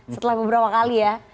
setelah beberapa kali ya